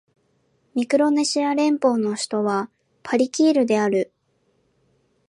ミクロネシア連邦の首都はパリキールである